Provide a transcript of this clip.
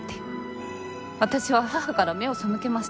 私は母から目を背けました。